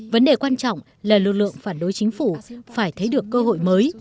vấn đề quan trọng là lực lượng phản đối chính phủ phải thấy được cơ hội mới